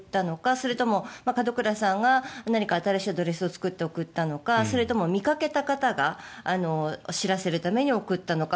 それとも門倉さんが何か新しいアドレスを作って送ったのかそれとも見かけた方が知らせるために送ったのか。